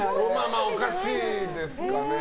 まあ、おかしいですかね。